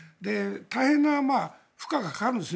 大変な負荷がかかるんです。